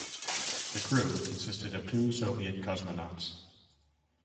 The crew consisted of two Soviet cosmonauts.